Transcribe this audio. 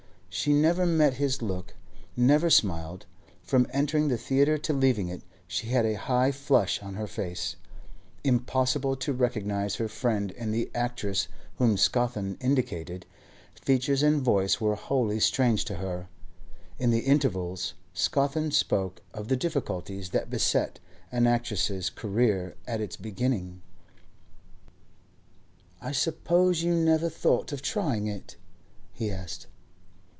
She never met his look, never smiled. From entering the theatre to leaving it, she had a high flush on her face. Impossible to recognise her friend in the actress whom Scawthorne indicated; features and voice were wholly strange to her. In the intervals, Scawthorne spoke of the difficulties that beset an actress's career at its beginning. 'I suppose you never thought of trying it?' he asked.